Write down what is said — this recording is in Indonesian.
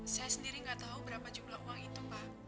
saya sendiri gak tau berapa jumlah uang itu pak